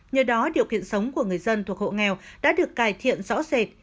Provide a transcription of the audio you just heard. nhờ đó điều kiện sống của người dân thuộc hộ nghèo đã được cải thiện rõ rệt